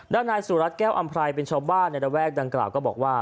ด้านในสู่รัฐแก้วอำไพรเป็นชาวบ้านระแวกดั่งกระหลาก็บอกว่า